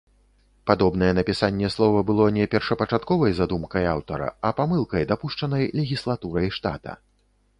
Падобнае напісанне слова было не першапачатковай задумкай аўтара, а памылкай, дапушчанай легіслатурай штата.